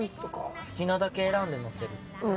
好きなだけ選んで載せる。